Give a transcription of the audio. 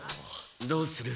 どうする？